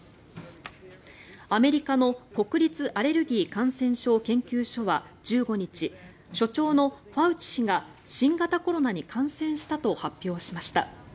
アメリカの国立アレルギー・感染症研究所は１５日所長のファウチ氏が新型コロナに感染したと発表しました。